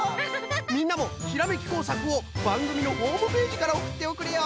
みんなもひらめきこうさくをばんぐみのホームページからおくっておくれよ！